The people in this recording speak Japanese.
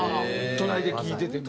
隣で聴いてても？